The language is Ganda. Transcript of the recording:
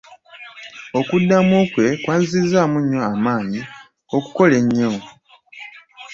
Okuddamu kwe kwanzizizzaamu nnyo amaanyi okukola ennyo.